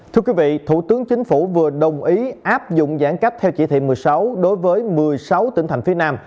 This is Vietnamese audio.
thưa quý vị thủ tướng chính phủ vừa đồng ý áp dụng giãn cách theo chỉ thị một mươi sáu đối với một mươi sáu tỉnh thành phía nam